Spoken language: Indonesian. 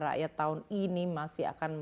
rakyat tahun ini masih akan